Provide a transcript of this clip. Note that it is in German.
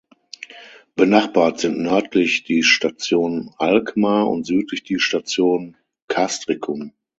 Benachbart sind nördlich die Station Alkmaar und südlich die Station Castricum.